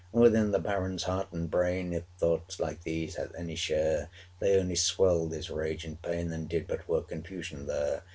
635 Within the Baron's heart and brain If thoughts, like these, had any share, They only swelled his rage and pain, And did but work confusion there.